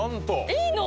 いいの⁉